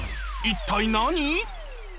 一体何？